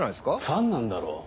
ファンなんだろ？